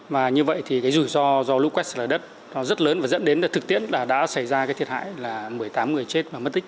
và như vậy thì cái rủi ro do lũ quét sạt lở đất nó rất lớn và dẫn đến thực tiễn là đã xảy ra cái thiệt hại là một mươi tám người chết và mất tích